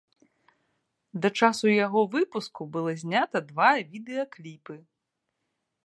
Да часу яго выпуску было знята два відэакліпы.